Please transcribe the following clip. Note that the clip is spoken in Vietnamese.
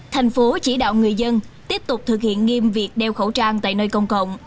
thành phố chỉ đạo người dân tiếp tục thực hiện nghiêm việc đeo khẩu trang tại nơi công cộng